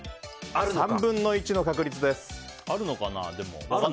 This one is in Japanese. ３分の１の確率です。